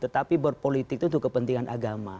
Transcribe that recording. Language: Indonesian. tetapi berpolitik itu untuk kepentingan agama